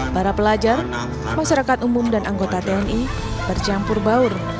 para pelajar masyarakat umum dan anggota tni bercampur baur